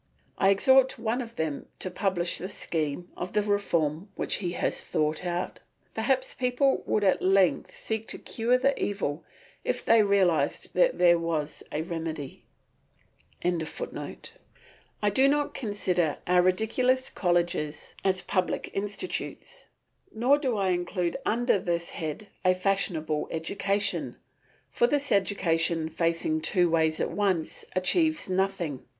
I exhort one of them to publish the scheme of reform which he has thought out. Perhaps people would at length seek to cure the evil if they realised that there was a remedy.] as public institutes, nor do I include under this head a fashionable education, for this education facing two ways at once achieves nothing.